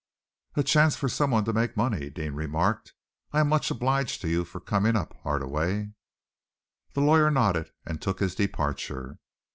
"A chance for someone to make money," Deane remarked. "I am much obliged to you for coming up, Hardaway." The lawyer nodded and took his departure.